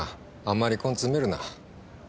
あんまり根詰めるな。